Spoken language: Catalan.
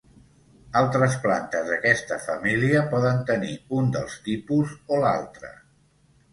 Altres plantes d'aquesta família poden tenir un dels tipus o l'altre.